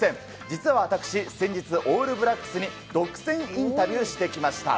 実は私、先日、オールブラックスに独占インタビューしてきました。